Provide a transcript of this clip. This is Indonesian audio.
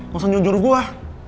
gak usah nyuruh nyuruh gua